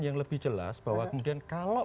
yang lebih jelas bahwa kemudian kalau